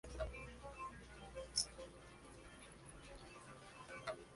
Este proceso requiere al menos uno y hasta cuatro minutos para cada aeronave.